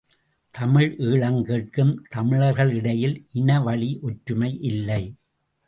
தமிழ் ஈழம் கேட்கும் தமிழர்களிடையில் இனவழி ஒற்றுமை இல்லை.